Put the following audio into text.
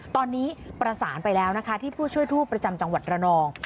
ตอนนี้ประสานไปแล้วนะคะที่ผู้ช่วยทูตประจำจังหวัดระนอง